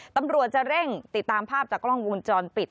ตำรวจจะเร่งติดตามภาพจากกล้องวงจรปิด